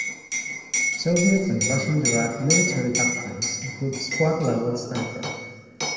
Soviet- and Russian-derived military doctrines include squad-level snipers.